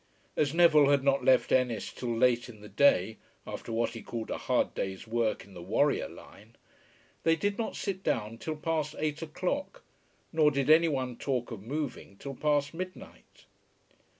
As Neville had not left Ennis till late in the day, after what he called a hard day's work in the warrior line, they did not sit down till past eight o'clock; nor did any one talk of moving till past midnight.